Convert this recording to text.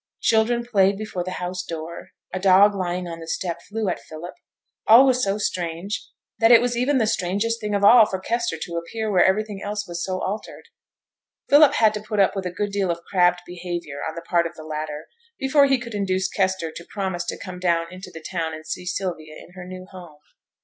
Children played before the house door; a dog lying on the step flew at Philip; all was so strange, that it was even the strangest thing of all for Kester to appear where everything else was so altered! Philip had to put up with a good deal of crabbed behaviour on the part of the latter before he could induce Kester to promise to come down into the town and see Sylvia in her new home.